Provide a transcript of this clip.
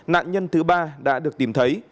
nạn nhân thứ ba đã được tìm thấy